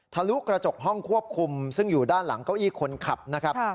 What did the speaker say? ลุกระจกห้องควบคุมซึ่งอยู่ด้านหลังเก้าอี้คนขับนะครับ